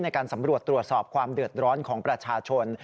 ในการสำรวจตรวจสอบความเดือดร้อนของประชาชน